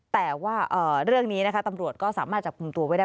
แต่ว่าเรื่องนี้นะคะตำรวจก็สามารถจับกลุ่มตัวไว้ได้